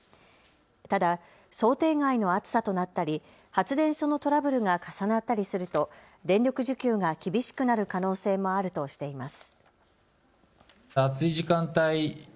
ただ想定外の暑さとなったり発電所のトラブルが重なったりすると電力需給が厳しくなる可能性もあるとしています。